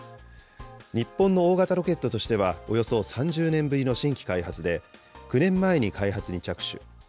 日本の大型ロケットとしてはおよそ３０年ぶりの新規開発で、９年前に開発に着手。